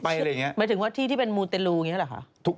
พี่มดไปใช่ไหมคะฝนเลยตก